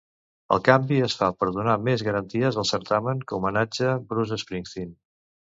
El canvi es fa per donar més garanties al certamen, que homenatja Bruce Springsteen.